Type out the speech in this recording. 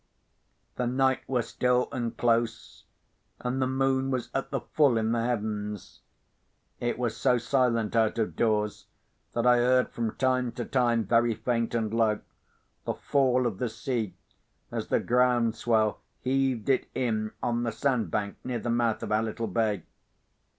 The night was still and close, and the moon was at the full in the heavens. It was so silent out of doors, that I heard from time to time, very faint and low, the fall of the sea, as the ground swell heaved it in on the sand bank near the mouth of our little bay.